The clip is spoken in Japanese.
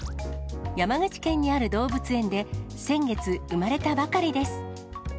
山口県にある動物園で先月、生まれたばかりです。